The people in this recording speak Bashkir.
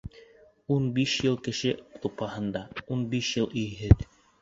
Ун биш йыл кеше тупһаһында, ун биш йыл өйһөҙ.